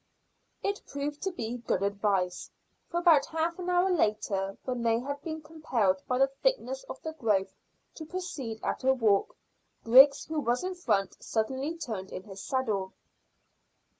It proved to be good advice, for about half an hour later, when they had been compelled by the thickness of the growth to proceed at a walk, Griggs, who was in front, suddenly turned in his saddle.